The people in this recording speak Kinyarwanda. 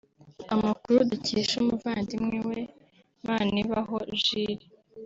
Amakuru dukesha umuvandimwe we Manibaho Jules